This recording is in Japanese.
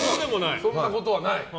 そんなことはない。